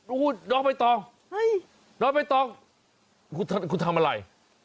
โอ้น้องไปต่อน้องไปต่อคุณทำคุณทำอะไร